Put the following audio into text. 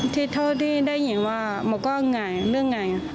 ศูนย์เด็ดทะเลาะกาที่ได้ยินว่ามันก็ง่ายเรื่องง่าย